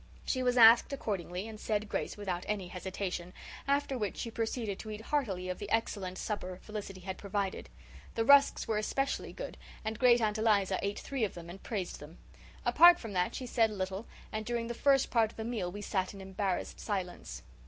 She was asked accordingly and said grace without any hesitation, after which she proceeded to eat heartily of the excellent supper Felicity had provided. The rusks were especially good and Great aunt Eliza ate three of them and praised them. Apart from that she said little and during the first part of the meal we sat in embarrassed silence.